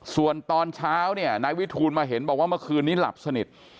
ส่วนตอนเช้าเนี่ยนายวิทูลมาเห็นบอกว่าเมื่อคืนนี้หลับสนิท